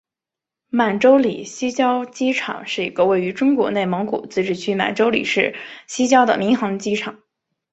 满洲里西郊机场是一个位于中国内蒙古自治区满洲里市西郊的民航机场。